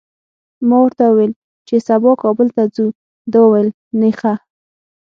ما ورته وویل چي سبا کابل ته ځو، ده وویل نېخه!